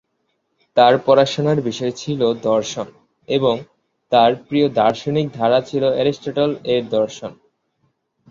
তার পড়াশোনার বিষয় ছিল দর্শন এবং তার প্রিয় দার্শনিক ধারা ছিল এরিস্টটল-এর দর্শন।